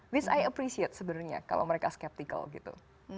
this i appreciate sebenarnya kalau mereka skeptical gitu